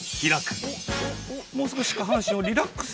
もう少し下半身をリラックス。